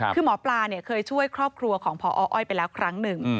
คือหมอปลาเคยช่วยครอบครัวของพออ้อยไปแล้วครั้งหนึ่ง